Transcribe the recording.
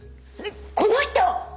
この人！